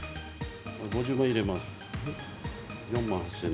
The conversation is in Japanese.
５０万入れます。